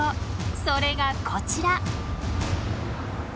それがこちら！